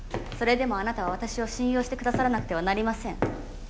それでもあなたは私を信用して下さらなくてはなりません。